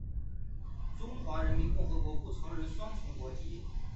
中华人民共和国不承认双重国籍。